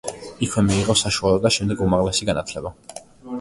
იქვე მიიღო საშუალო და შემდეგ უმაღლესი განათლება.